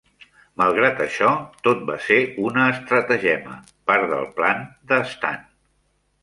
Malgrat això, tot va ser una estratagema, part del plan de Stan.